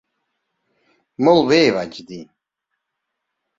"Molt bé", vaig dir.